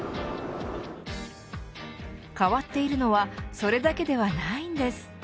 変わっているのはそれだけではないんです。